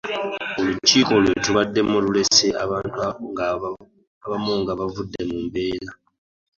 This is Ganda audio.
Olukiiko lwe tubademu lulese abamu nga bavudde mu mbeera.